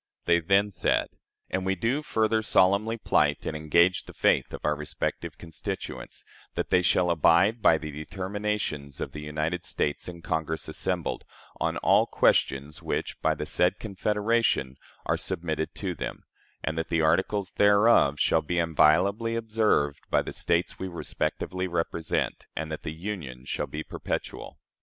They then said: "And we do further solemnly plight and engage the faith of our respective constituents, that they shall abide by the determinations of the United States in Congress assembled, on all questions which, by the said confederation, are submitted to them; and that the articles thereof shall be inviolably observed by the States we respectively represent; and that the Union shall be perpetual."